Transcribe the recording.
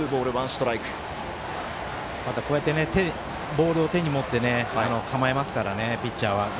こうやってボールを手に持って構えますからね、ピッチャーは。